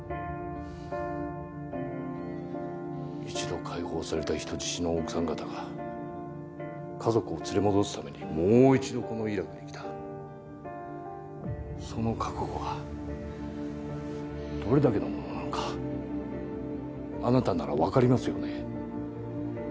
一度解放された人質の奥さん方が家族を連れ戻すためにもう一度、このイラクに来た、その覚悟はどれだけのものなのか、あなたなら分かりますよね？